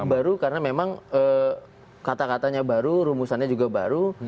baru karena memang kata katanya baru rumusannya juga baru